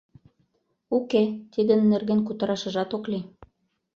Уке, тидын нерген кутырашыжат ок лий!